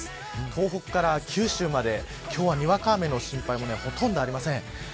東北から九州まで、今日はにわか雨の心配もほとんどありません。